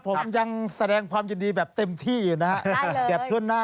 ผมยังแสดงความยินดีแบบเต็มที่อยู่นะ